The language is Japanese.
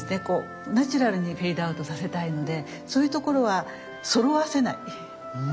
こうナチュラルにフェードアウトさせたいのでそういうところはそろわせない。